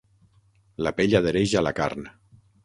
La pell adhereix a la carn.